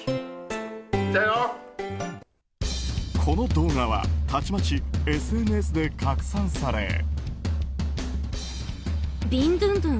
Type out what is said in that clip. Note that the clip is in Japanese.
この動画はたちまちＳＮＳで拡散され。